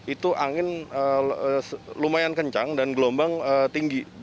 itu angin lumayan kencang dan gelombang tinggi